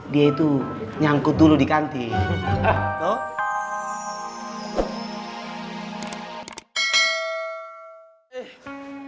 dia itu nyangkut dulu di kantin